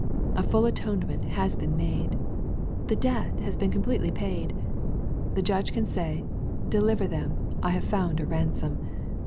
A full atone ment has been made. The debt has been completely paid. The Judge can say, "Deliver them, I have found a ransom."